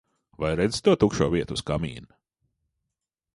Vai redzi to tukšo vietu uz kamīna?